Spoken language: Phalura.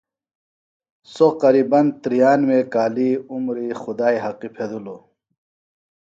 سوۡ قریبن تریانوے کالی عمری خدائی حقی پھیدِلوۡ